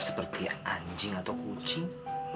seperti anjing atau kucing